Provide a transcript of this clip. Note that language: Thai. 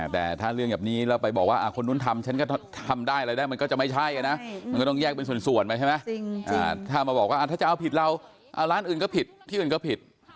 แต่ถ้าเรื่องแบบนี้แล้วไปบอกว่าคนนู้นทำฉันก็ทำได้อะไรได้มันก็จะไม่ใช่นะมันก็ต้องแยกเป็นส่วนไปใช่ไหมถ้ามาบอกว่าถ้าจะเอาผิดเราร้านอื่นก็ผิดที่อื่นก็ผิด